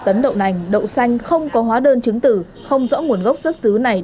hai tấn đậu nành đậu xanh không có hóa đơn chứng tử không rõ nguồn gốc xuất xứ này